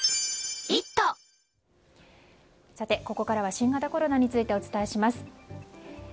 ここからは新型コロナについてお伝えします。